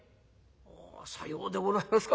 「さようでございますか。